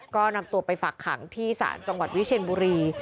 ก็นำตัวไปฝากขังที่ศาลจังหวัดวิเชียนบุรี